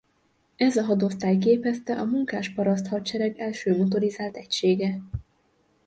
Ez a hadosztály képezte a munkás-paraszt hadsereg első motorizált egysége.